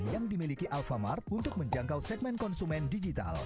yang dimiliki alfamart untuk menjangkau segmen konsumen digital